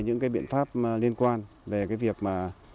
những cái biện pháp liên quan về cái việc mà